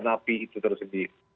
nabi itu tersebut